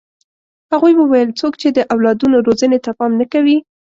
هغوی وویل څوک چې د اولادونو روزنې ته پام نه کوي.